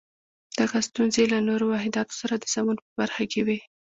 دغه ستونزې یې له نورو واحداتو سره د سمون په برخه کې وې.